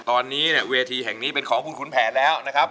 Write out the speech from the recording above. ตอนนี้เวทีแห่งนี้เป็นของคุณแผนแล้ว